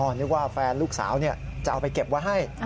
นึกว่าแฟนลูกสาวจะเอาไปเก็บไว้ให้